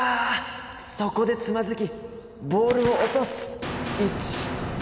そこでつまずきボールを落とす。